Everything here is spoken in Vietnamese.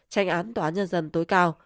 tranh án tòa án nhân dân tối cao